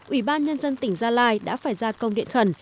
ủy ban nhân dân tỉnh gia lai đã phải ra công điện khẩn